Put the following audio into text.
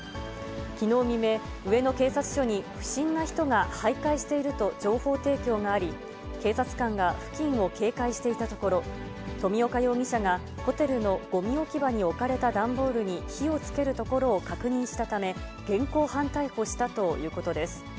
きのう未明、上野警察署に、不審な人がはいかいしていると情報提供があり、警察官が付近を警戒していたところ、富岡容疑者がホテルのごみ置き場に置かれた段ボールに火をつけるところを確認したため、現行犯逮捕したということです。